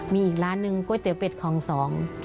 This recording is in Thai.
มีอีกร้านหนึ่งก๋วยเตี๋ยวเป็ดของสอง